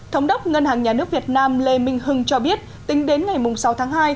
thống đốc ngân hàng nhà nước việt nam lê minh hưng cho biết tính đến ngày sáu tháng hai